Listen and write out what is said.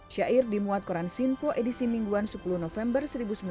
syair dimuat koran sinpo edisi mingguan sepuluh november seribu sembilan ratus dua puluh delapan